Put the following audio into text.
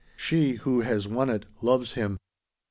She, who has won it, loves him.